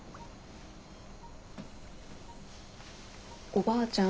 おばあちゃん。